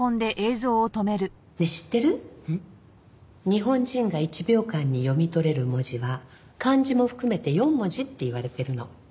日本人が１秒間に読み取れる文字は漢字も含めて４文字っていわれてるの。